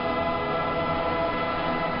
อาเมนอาเมน